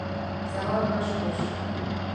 سهار بشپړ شو.